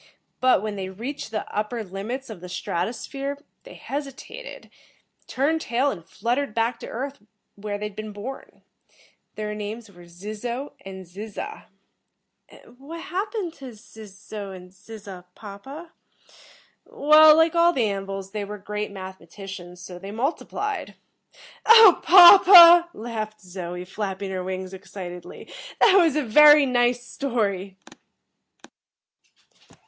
But when they reached the upper limits of the strato sphere, they hesitated, turned tail and fluttered back to Earth where they had been born. Their names were Zizzo and Zizza." "And what happened to Zizzo and Zizza, papa?" "Well, like all the An vils, they were great mathematicians. So, they multiplied." "Oh, papa," laughed Zoe, flapping her wings excitedly, "that was a very nice story!"